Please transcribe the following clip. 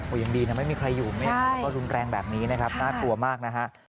ยังดีนะไม่มีใครอยู่แล้วก็รุนแรงแบบนี้นะครับน่ากลัวมากนะฮะ